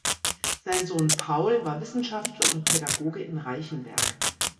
Sein Sohn Paul war Wissenschafter und Pädagoge in Reichenberg.